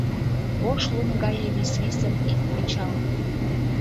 Ош лум гае висвисым ит кычал.